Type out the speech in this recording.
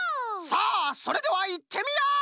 さあそれではいってみよう！